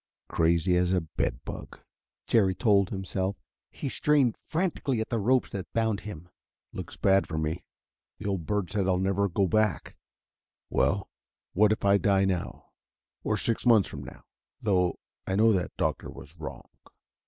"Crazy as a bed bug," Jerry told himself. He strained frantically at the ropes that bound him. "Looks bad for me: the old bird said I'd never go back. Well, what if I die now ... or six months from now? Though I know that doctor was wrong."